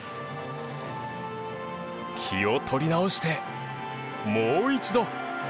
気を取り直してもう一度。